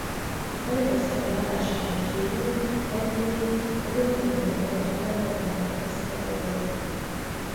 Magyarországi állásain kívül egy évig a Göttingeni Egyetem vendégprofesszora volt.